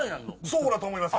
そうだと思います